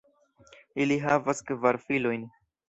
Ili havas kvar filojn.